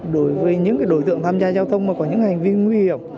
đối với những đối tượng tham gia giao thông mà có những hành vi nguy hiểm